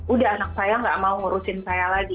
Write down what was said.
udah anak saya gak mau ngurusin saya lagi